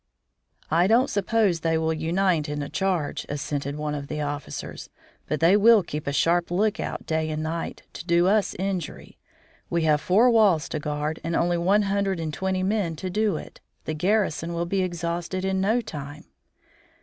"I don't suppose they will unite in a charge," assented one of the officers. "But they will keep a sharp lookout day and night to do us injury. We have four walls to guard and only one hundred and twenty men to do it. The garrison will be exhausted in no time."